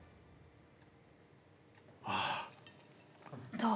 どう？